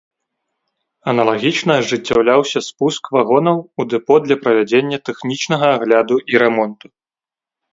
Аналагічна ажыццяўляўся спуск вагонаў у дэпо для правядзення тэхнічнага агляду і рамонту.